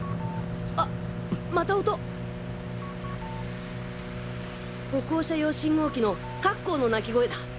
あっまた音！歩行者用信号機のカッコーの鳴き声だ。